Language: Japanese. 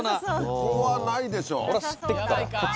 ここはないでしょ。